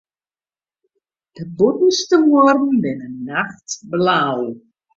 De bûtenste muorren binne nachtblau.